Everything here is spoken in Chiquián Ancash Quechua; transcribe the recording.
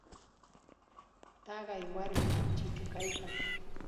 Taqay warmim chichu kaykan.